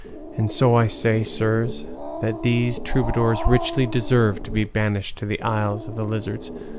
And so I say, sirs, that these troubadours richly deserve to be banished to the isles of the lizards.